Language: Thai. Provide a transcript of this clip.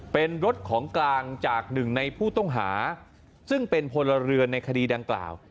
เป็นรถของกลางจากหนึ่งในผู้ต้องหาซึ่งเป็นพลเรือนในคดีดังกล่าว